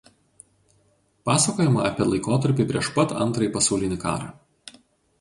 Pasakojama apie laikotarpį prieš pat Antrąjį pasaulinį karą.